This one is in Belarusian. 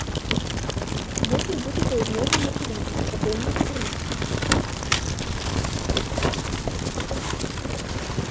Вецер будзе паўднёвы ўмеркаваны, па поўначы парывісты.